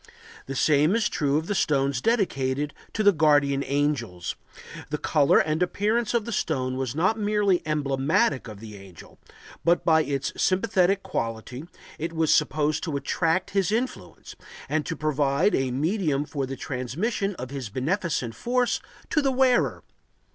The same is true of the stones dedicated to the guardian angels; the color and appearance of the stone was not merely emblematic of the angel, but, by its sympathetic quality, it was supposed to attract his influence and to provide a medium for the transmission of his beneficent force to the wearer.